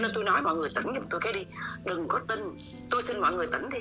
mình không có cái gì kỳ nhiều gì đâu